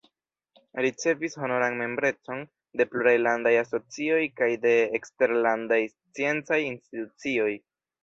Ricevis honoran membrecon de pluraj landaj asocioj kaj de eksterlandaj sciencaj institucioj.